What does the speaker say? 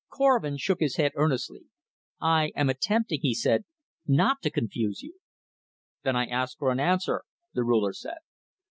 Korvin shook his head earnestly. "I am attempting," he said, "not to confuse you." "Then I ask for an answer," the Ruler said.